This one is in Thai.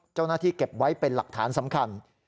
เจ้าหน้าที่เก็บไว้เป็นหลักฐานสำคัญ